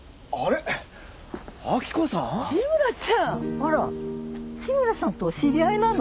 あら志村さんとお知り合いなの？